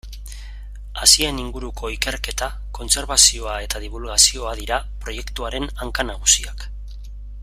Hazien inguruko ikerketa, kontserbazioa eta dibulgazioa dira proiektuaren hanka nagusiak.